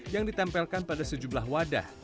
yang ditempelkan pada sejumlah wadah